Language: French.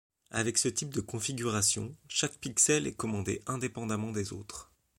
Avec ce type de configuration, chaque pixel est commandé indépendamment des autres.